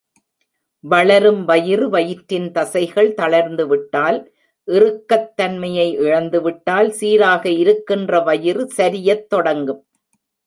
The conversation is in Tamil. வளரும் வயிறு வயிற்றின் தசைகள் தளர்ந்து விட்டால், இறுக்கத் தன்மையை இழந்துவிட்டால், சீராக இருக்கின்ற வயிறு சரியத் தொடங்கும்.